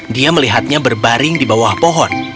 dia melihatnya berbaring di bawah pohon